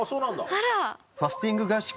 あら。